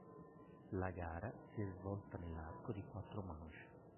La gara si è svolta nell'arco di quattro "manches".